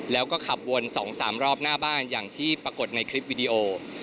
แล้วก็ขับวน๒๓รอบหน้าบ้านอย่างที่ปรากฏในคลิปวิดีโอ